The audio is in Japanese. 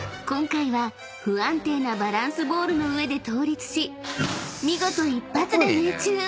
［今回は不安定なバランスボールの上で倒立し見事一発で命中！］